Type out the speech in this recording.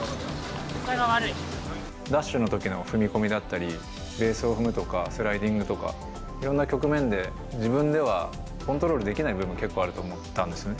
下が悪ダッシュのときの踏み込みだったり、ベースを踏むとか、スライディングとか、いろんな局面で、自分ではコントロールできない部分も結構あると思ったんですね。